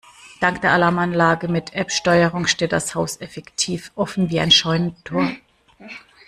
Dank der Alarmanlage mit App-Steuerung steht das Haus effektiv offen wie ein Scheunentor.